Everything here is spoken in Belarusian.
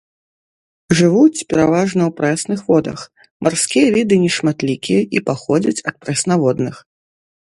Жывуць пераважна ў прэсных водах, марскія віды нешматлікія і паходзяць ад прэснаводных.